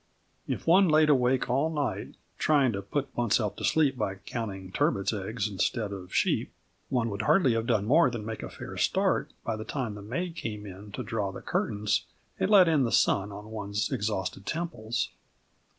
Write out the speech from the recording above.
If one lay awake all night, trying to put oneself to sleep by counting turbots' eggs instead of sheep, one would hardly have done more than make a fair start by the time the maid came in to draw the curtains and let in the sun on one's exhausted temples.